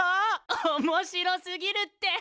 おもしろすぎるって！